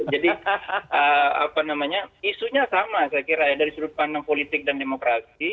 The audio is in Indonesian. jadi apa namanya isunya sama saya kira ya dari sudut pandang politik dan demokrasi